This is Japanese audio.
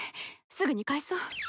すぐに返そう！